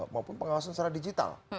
maupun pengawasan secara digital